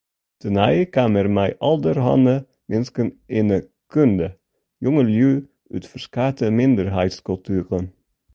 Tenei kaam er mei alderhanne minsken yn ’e kunde, jongelju út ferskate minderheidskultueren.